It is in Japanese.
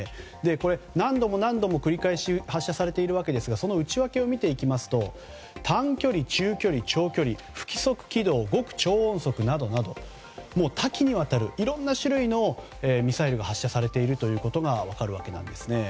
これ、何度も何度も繰り返し発射されているわけですがその内訳を見ていきますと短距離、中距離、長距離不規則軌道、極超音速などなど多岐にわたる、いろんな種類のミサイルが発射されているのが分かるわけなんですね。